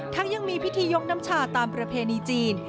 ยังมีพิธียกน้ำชาตามประเพณีจีน